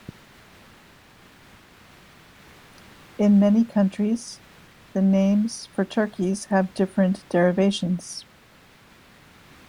In many countries, the names for turkeys have different derivations.